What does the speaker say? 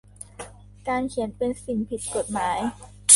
การเขียนเป็นสิ่งผิดกฎหมาย